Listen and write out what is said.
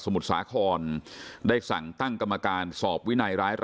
สมิตตานร